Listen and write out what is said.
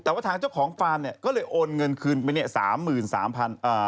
แต่ว่าทางเจ้าของฟานก็เลยโอนเงินคืนไป๓๓๐๐๐บาท